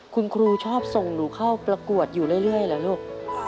คุณครูชอบส่งหนูเข้าประกวดอยู่เรื่อยเหรอลูก